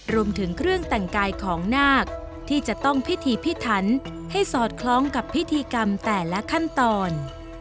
รวมถึงเครื่องแต่งกายของนาคที่จะต้องพิธีพิถันให้สอดคล้องกับพิธีกรรมแต่ละขั้นตอน